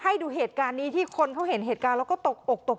ให้ดูเหตุการณ์นี้ที่คนเขาเห็นเหตุการณ์แล้วก็ตกอกตก